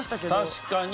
確かに。